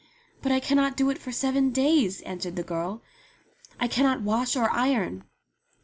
"But I cannot do it for seven days," answered the girl. "I cannot wash or iron."